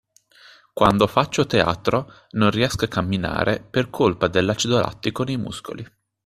Quando faccio teatro non riesco a camminare per colpa dell’acido lattico nei muscoli